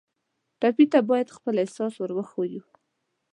ټپي ته باید خپل احساس ور وښیو.